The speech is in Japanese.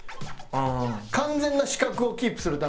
完全な死角をキープするために。